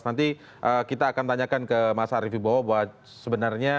nanti kita akan tanyakan ke mas arief ibowo bahwa sebenarnya